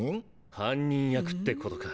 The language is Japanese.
犯人役ってことか。